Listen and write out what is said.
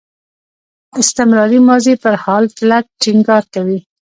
استمراري ماضي پر حالت ټینګار کوي.